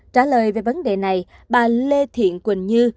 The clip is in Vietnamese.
trả lời về vấn đề này bà lê thiện quỳnh như